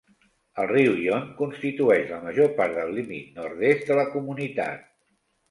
El riu Yon constitueix la major part del límit nord-est de la comunitat.